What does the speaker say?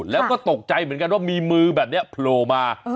แล้วก็ตกใจเหมือนกันว่ามีมือแบบนี้โผล่มา